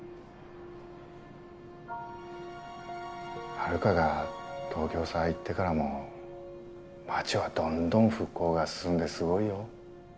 ハルカが東京さ行ってからも街はどんどん復興が進んですごいよ。